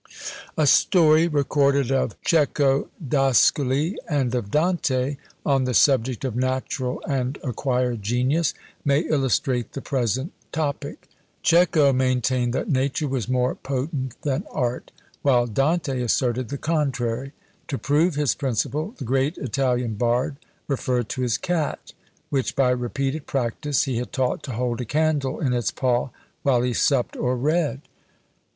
A story recorded of Cecco d'Ascoli and of Dante, on the subject of natural and acquired genius, may illustrate the present topic. Cecco maintained that nature was more potent than art, while Dante asserted the contrary. To prove his principle, the great Italian bard referred to his cat, which, by repeated practice, he had taught to hold a candle in its paw while he supped or read.